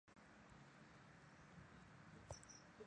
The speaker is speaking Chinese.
江西乡试第十名。